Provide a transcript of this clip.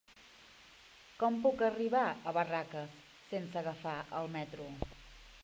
Com puc arribar a Barraques sense agafar el metro?